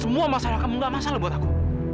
semua masalah kamu gak masalah buat aku